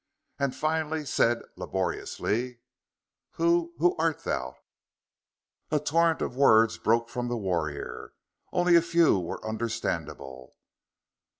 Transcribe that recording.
And finally said laboriously: "Who who art thou?" A torrent of words broke from the warrior. Only a few were understandable.